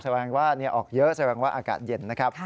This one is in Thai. ชะวังว่าออกเยอะชะวังว่าอากาศเย็นนะครับ